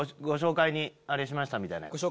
ご紹介にあれしましたみたいな。